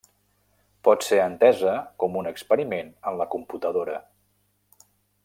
Pot ser entesa com un experiment en la computadora.